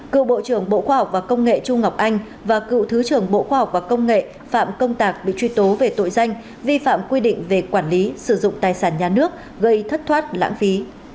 cựu bộ trưởng bộ khoa học và công nghệ trung ngọc anh và cựu thứ trưởng bộ khoa học và công nghệ phạm công tạc bị truy tố về tội danh vi phạm quy định về quản lý sử dụng tài sản nhà nước gây thất thoát lãng phí